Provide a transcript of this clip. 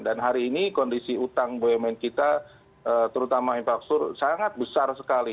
dan hari ini kondisi utang bumn kita terutama infrastruktur sangat besar sekali